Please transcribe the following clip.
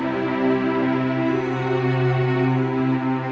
karena syarat berangkat itu minimal lulus smp